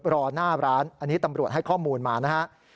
รอหน้าร้านอันนี้ตำรวจให้ข้อมูลมานะครับ